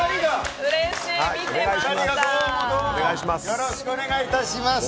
よろしくお願いします。